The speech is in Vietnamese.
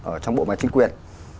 ở trong bộ máy chính quyền